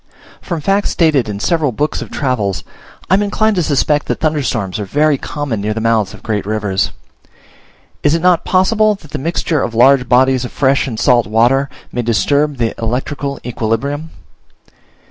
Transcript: From facts stated in several books of travels, I am inclined to suspect that thunderstorms are very common near the mouths of great rivers. Is it not possible that the mixture of large bodies of fresh and salt water may disturb the electrical equilibrium?